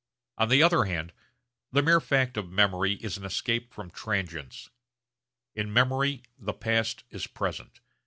On the other hand the mere fact of memory is an escape from transience. In memory the past is present.